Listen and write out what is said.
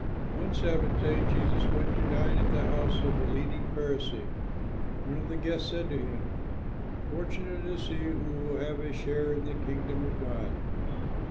One Sabbath day Jesus went to dine at the house of a leading Pharisee. One of the guests said to him, "Fortunate is he who will have a share in the Kingdom of God."